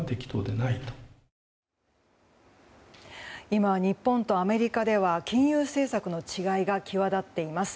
今、日本とアメリカでは金融政策の違いが際立っています。